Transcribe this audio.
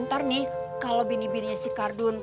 ntar nih kalau bini bininya si kardun